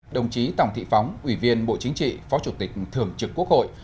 đồng chí tòng thị phóng ủy viên bộ chính trị phó chủ tịch thường trực quốc hội